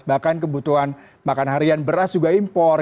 bahkan kebutuhan makan harian beras juga impor